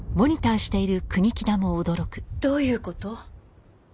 どういう事？